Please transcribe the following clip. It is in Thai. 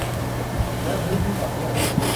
และพื้นที่ต่อเนื่อง